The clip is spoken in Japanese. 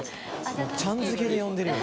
發「ちゃん」付けで呼んでるよ。